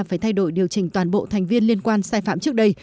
phải thay đổi điều chỉnh toàn bộ thành viên liên quan sai phạm trước đây